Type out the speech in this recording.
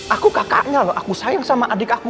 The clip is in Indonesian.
aku kakaknya loh aku sayang sama adik aku